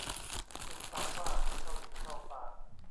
สิบปากว่าไม่เท่าหยิบเข้าปาก